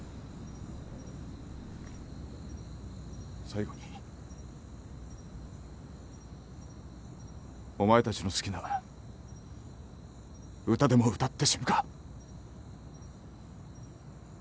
最後にお前たちの好きな歌でも歌って死ぬか。